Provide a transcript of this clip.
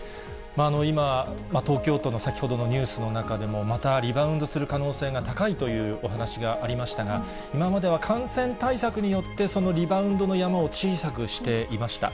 今、東京都の先ほどのニュースの中でも、またリバウンドする可能性が高いというお話がありましたが、今までは感染対策によって、そのリバウンドの山を小さくしていました。